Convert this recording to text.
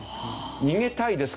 逃げたいですか？